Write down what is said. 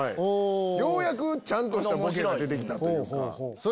ようやくちゃんとしたボケが出て来たというか。